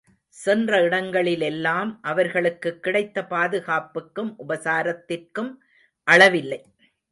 சென்ற இடங்களிலெல்லாம் அவர்களுக்குக் கிடைத்த பாதுகாப்புக்கும் உபசாரத்திற்கும் அளவில்லை.